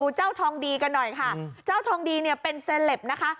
เจ้าทองดีกันหน่อยค่ะเจ้าทองดีเนี่ยเป็นเซลปนะคะ